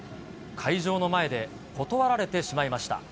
会場の前で断られてしまいま